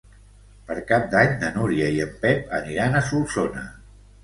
Per Cap d'Any na Núria i en Pep aniran a Solsona.